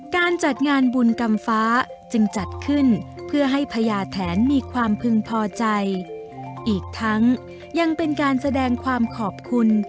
การจัดงานบุญกรรมฟ้าจึงจัดขึ้นเพื่อให้พญาแถนมีความพึงพอใจอีกทั้งยังเป็นการแสดงความขอบคุณ